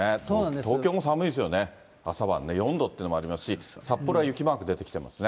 東京も寒いですよね、朝晩ね、４度というのもありますし、札幌は雪マーク出てきてますね。